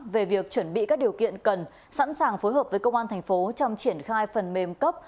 về việc chuẩn bị các điều kiện cần sẵn sàng phối hợp với công an thành phố trong triển khai phần mềm cấp